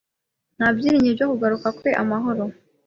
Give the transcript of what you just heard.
Nta byiringiro byo kugaruka kwe amahoro